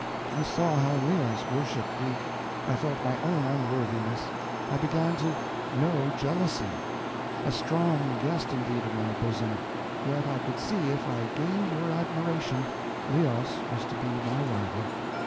I saw how Leos worshipped thee. I felt my own unworthiness. I began to know jealousy a strong guest, indeed, in my bosom yet I could see if I gained your admiration Leos was to be my rival.